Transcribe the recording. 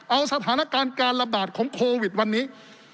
เอาสถานการณ์การระบาดของโควิดวันนี้